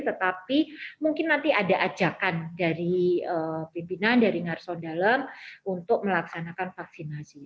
tetapi mungkin nanti ada ajakan dari pimpinan dari ngarson dalam untuk melaksanakan vaksinasi